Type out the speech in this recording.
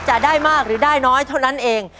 จะได้มากหรือได้น้อยเท่านั้นเอง